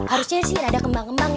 harusnya sih rada kembang kembang